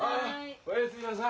おやすみなさい。